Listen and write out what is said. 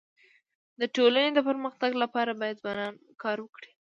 د ټولني د پرمختګ لپاره باید ځوانان کار وکړي.